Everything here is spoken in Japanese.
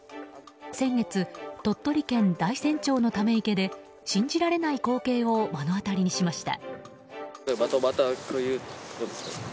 先月、鳥取県大山町のため池で信じられない光景を目の当たりにしました。